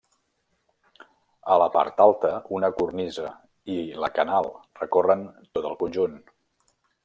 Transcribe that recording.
A la part alta una cornisa i la canal recorren tot el conjunt.